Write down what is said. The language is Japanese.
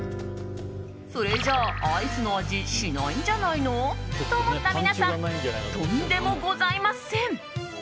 それじゃあ、アイスの味しないんじゃないの？と思った皆さんとんでもございません。